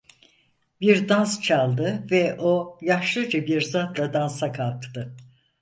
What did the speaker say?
Bir dans çaldı ve o yaşlıca bir zatla dansa kalktı.